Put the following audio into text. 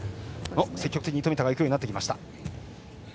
積極的に冨田が行くようになってきました。